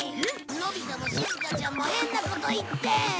のび太もしずかちゃんも変なこと言って。